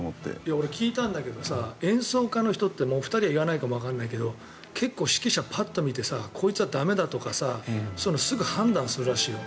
俺、聞いたんだけど演奏家の方ってお二人は言わないかもしれないけど結構指揮者、パッと見てこいつは駄目だとかすぐ判断するらしいよ。